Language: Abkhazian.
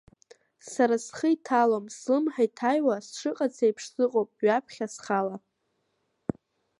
Сара схы иҭалом слымҳа иҭаҩуа, сшыҟац еиԥш сыҟоуп ҩаԥхьа схала.